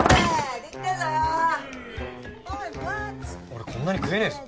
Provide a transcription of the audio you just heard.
俺こんなに食えねえぞ。